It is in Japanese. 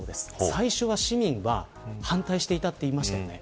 最初は市民は反対していたと言いましたよね。